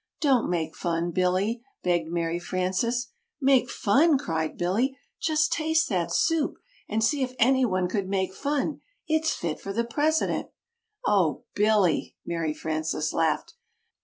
"Don't make fun, Billy," begged Mary Frances. "'Make fun,'" cried Billy. "Just taste that soup and see if anyone could make fun. It's fit for the President." "Oh Billy!" Mary Frances laughed.